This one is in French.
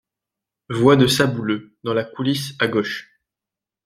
Voix de Sabouleux , dans la coulisse à gauche.